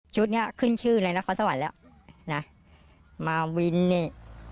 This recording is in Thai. ชุดเนี้ยขึ้นชื่อเลยนะข้อสวรรค์แล้วนะมาวินเนี้ย